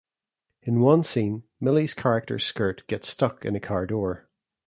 In one scene, Millie's character's skirt gets stuck in a car door.